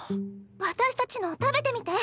私たちのを食べてみて。